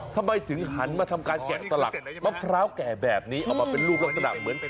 ทำไมถึงหันมาทำการแกะสลักมะพร้าวแก่แบบนี้เอามาเป็นรูปลักษณะเหมือน